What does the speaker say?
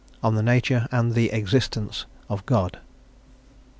ON THE NATURE AND THE EXISTENCE OF GOD.